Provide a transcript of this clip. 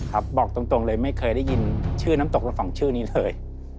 บอกตรงเลยไม่เคยได้ยินชื่อน้ำตกระหว่างฝั่งชื่อนี้เลย